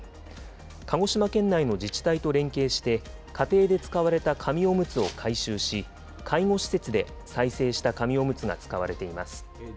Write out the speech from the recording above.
鹿児島県内の自治体と連携して、家庭で使われた紙おむつを回収し、介護施設で再生した紙おむつが使われています。